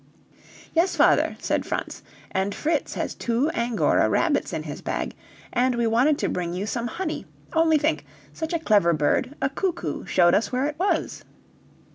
"Yes, father," said Franz; "and Fritz has two Angora rabbits in his bag, and we wanted to bring you some honey. Only think! such a clever bird a cuckoo, showed us where it was!"